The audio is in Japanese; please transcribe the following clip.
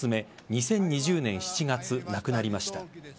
２０２０年７月亡くなりました。